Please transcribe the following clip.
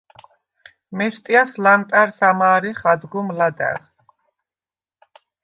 მესტიას ლამპა̈რს ამა̄რეხ ადგომ ლადა̈ღ.